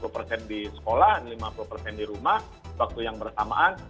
lima puluh persen di sekolah lima puluh persen di rumah waktu yang bersamaan